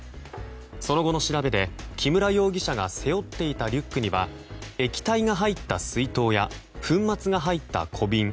その後の調べで木村容疑者が背負っていたリュックには液体が入った水筒や粉末が入った小瓶